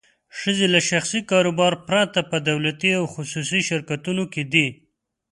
ښځې له شخصي کاروبار پرته په دولتي او خصوصي شرکتونو کې دي.